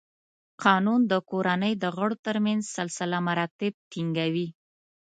قانون د کورنۍ د غړو تر منځ سلسله مراتب ټینګوي.